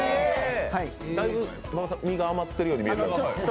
だいぶ身が余ってるように見える。